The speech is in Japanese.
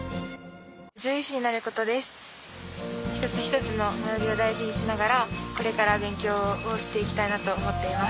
一つ一つの学びを大事にしながらこれから勉強をしていきたいなと思っています。